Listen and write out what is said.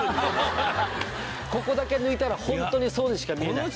ここだけ抜いたらホントにそうにしか見えない。